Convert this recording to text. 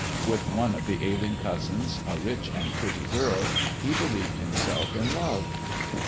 With one of the ailing cousins, a rich and pretty girl, he believed himself in love.